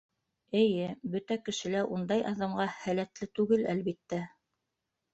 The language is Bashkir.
- Эйе, бөтә кеше лә ундай... аҙымға һәләтле түгел, әлбиттә...